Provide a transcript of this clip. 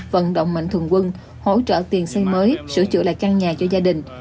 vận động mạnh thường quân hỗ trợ tiền xây mới sửa chữa lại căn nhà cho gia đình